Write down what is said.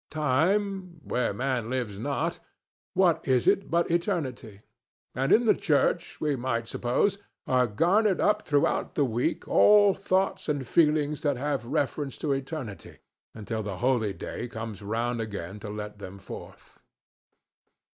Time—where man lives not—what is it but eternity? And in the church, we might suppose, are garnered up throughout the week all thoughts and feelings that have reference to eternity, until the holy day comes round again to let them forth.